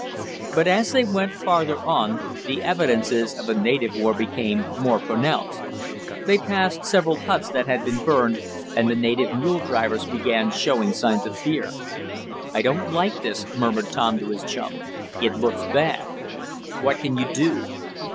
But as they went farther on, the evidences of a native war became more pronounced. They passed several huts that had been burned, and the native mule drivers began showing signs of fear. "I don't like this," murmured Tom to his chum. "It looks bad." "What can you do?"